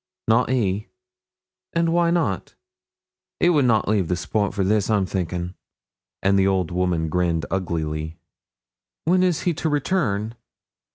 'Not he.' 'And why not?' 'He would na' leave the sport for this, I'm thinking,' and the old woman grinned uglily. 'When is he to return?'